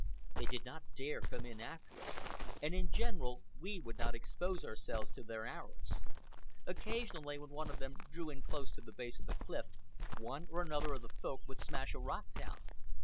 They did not dare come in after us, and in general we would not expose ourselves to their arrows. Occasionally, when one of them drew in close to the base of the cliff, one or another of the Folk would smash a rock down.